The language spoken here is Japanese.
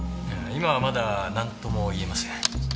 今はまだなんとも言えません。